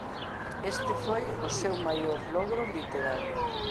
Este foi o seu maior logro literario.